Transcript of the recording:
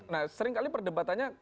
nah sering kali perdebatannya